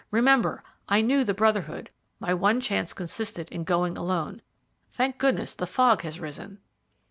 "Remember, I knew the Brotherhood; my one chance consisted in going alone. Thank goodness the fog has risen."